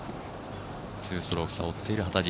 ２ストローク差を追っている幡地。